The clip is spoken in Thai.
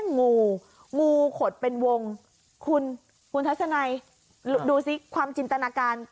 งูงูขดเป็นวงคุณคุณทัศนัยดูสิความจินตนาการ